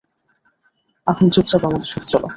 এখন চুপচাপ আমার সাথে চল।